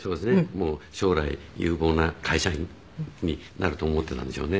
もう将来有望な会社員になると思っていたんでしょうね。